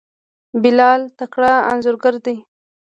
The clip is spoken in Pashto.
بلال تکړه انځورګر دی.